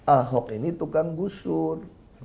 ahok ini tukang gusur